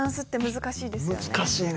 難しいね。